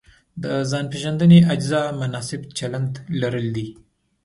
د ځان پېژندنې اجزا مناسب چلند لرل دي.